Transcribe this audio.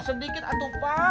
sedikit atuh pak